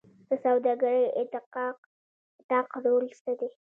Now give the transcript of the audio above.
د سوداګرۍ اتاق رول څه دی؟